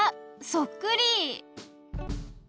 そっくり！